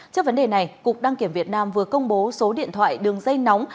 trước vấn đề này cục đăng kiểm việt nam vừa công bố số điện thoại đường dây nóng